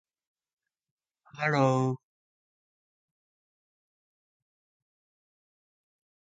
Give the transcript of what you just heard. Hello